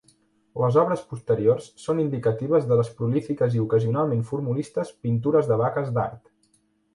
Les obres posteriors són indicatives de les prolífiques i ocasionalment formulistes pintures de vaques d'Hart.